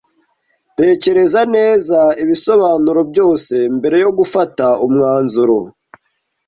Tekereza neza ibisobanuro byose, mbere yo gufata umwanzuro.